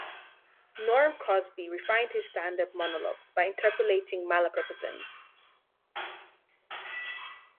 Norm Crosby refined his standup monologues by interpolating malapropisms.